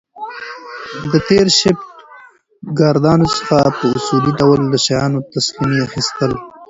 د تېر شفټ ګاردانو څخه په اصولي ډول د شیانو تسلیمي اخیستل